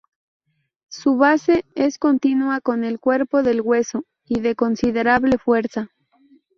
Su "base" es continua con el cuerpo del hueso, y de considerable fuerza.